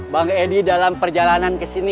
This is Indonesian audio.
bang edi dalam perjalanan ke sini